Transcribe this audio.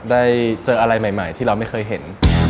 ได้เจออะไรใหม่ที่เราไม่เคยเห็น